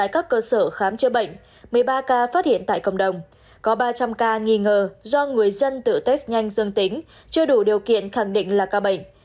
một mươi ba ca phát hiện tại cộng đồng có ba trăm linh ca nghi ngờ do người dân tự test nhanh dương tính chưa đủ điều kiện khẳng định là ca bệnh